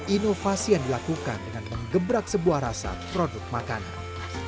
inovasi yang dilakukan dengan mengebrak sebuah rasa produk makanan